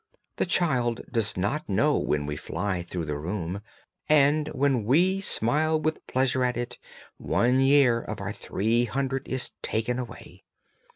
The child does not know when we fly through the room, and when we smile with pleasure at it one year of our three hundred is taken away.